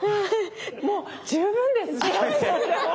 もう十分です。